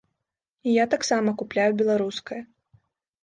І я таксама купляю беларускае.